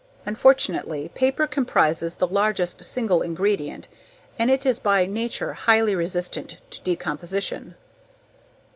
Unfortunately, paper comprises the largest single ingredient and it is by nature highly resistant to decomposition.